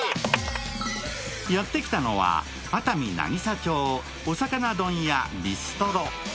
やってきたのは熱海渚町おさかな丼屋ビストロ。